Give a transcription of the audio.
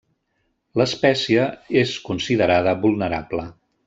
L'espècie és considerada vulnerable.